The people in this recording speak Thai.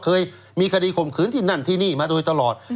เคยมีคดีข่มขืนที่นั่นที่นี่มาโดยตลอด